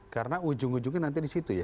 karena ujung ujungnya nanti di situ ya